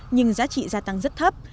nhưng giá trị gia tăng rất thấp